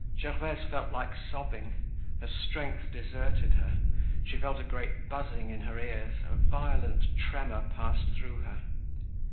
Gervaise felt like sobbing. Her strength deserted her; she felt a great buzzing in her ears, a violent tremor passed through her.